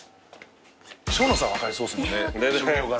生野さん分かりそうっすもんね。